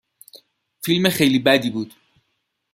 فیلم خیلی بدی بود